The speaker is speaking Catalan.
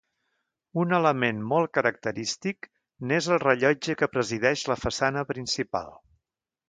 Un element molt característic n'és el rellotge que presideix la façana principal.